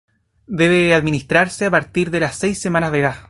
Debe administrarse a partir de las seis semanas de edad.